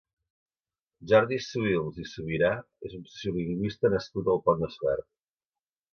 Jordi Suïls i Subirà és un sociolingüista nascut al Pont de Suert.